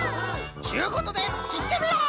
ちゅうことでいってみよう！